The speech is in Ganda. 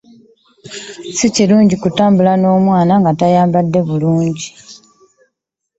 Si kirungu okutambula n'omwana nga tayambadde lugoye.